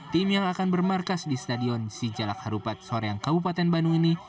tim yang akan bermarkas di stadion sijalak harupat soreang kabupaten bandung ini